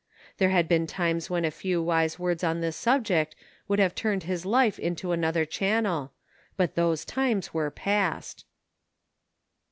There had been times when a few wise words on this subject would have turned his life into another channel, but those times were past.